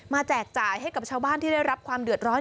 แจกจ่ายให้กับชาวบ้านที่ได้รับความเดือดร้อน